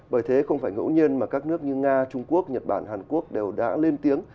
bởi thế không phải ngẫu nhiên mà các nước như nga trung quốc nhật bản hàn quốc đều đã lên tiếng